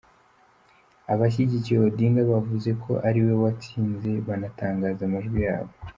Abashyigikiye Odinga bavuze ko ari we watsinze banatangaza amajwi yabo.